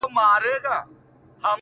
• کوم ظالم چي مي افغان په کاڼو ولي..